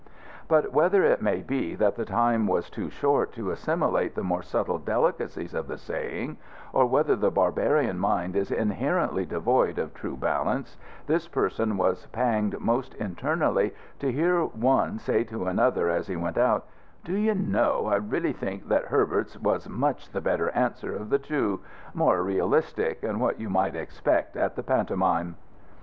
But whether it may be that the time was too short to assimilate the more subtle delicacies of the saying, or whether the barbarian mind is inherently devoid of true balance, this person was panged most internally to hear one say to another as he went out, "Do you know, I really think that Herbert's was much the better answer of the two more realistic, and what you might expect at the pantomime."